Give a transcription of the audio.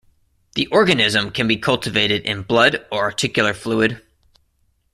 The organism can be cultivated in blood or articular fluid.